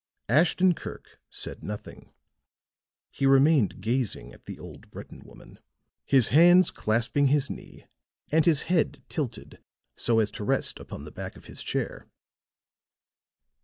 Ashton Kirk said nothing; he remained gazing at the old Breton woman, his hands clasping his knee and his head tilted so as to rest upon the back of his chair.